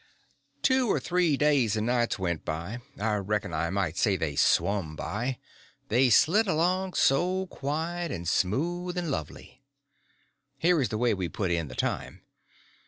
Two or three days and nights went by; I reckon I might say they swum by, they slid along so quiet and smooth and lovely. Here is the way we put in the time.